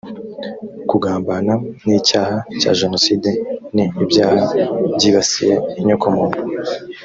kugambana n’icyaha cya jenoside ni ibyaha byibasiye inyoko muntu